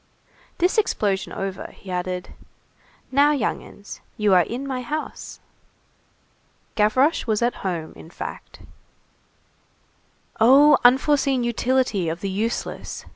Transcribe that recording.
This explosion over, he added:— "Now, young 'uns, you are in my house." Gavroche was at home, in fact. Oh, unforeseen utility of the useless!